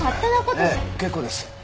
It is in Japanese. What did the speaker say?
ええ結構です。